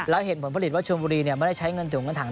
แล้วเห็นผลผลิตว่าชวนบุรีไม่ได้ใช้เงินถุงเงินถัง